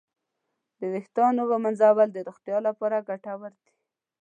د ویښتانو ږمنځول د روغتیا لپاره ګټور دي.